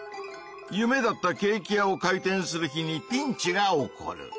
夢だったケーキ屋を開店する日にピンチが起こる！